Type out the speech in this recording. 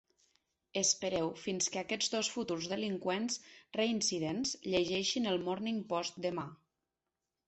Espereu fins que aquests dos futurs delinqüents reincidents llegeixin el Morning Post demà.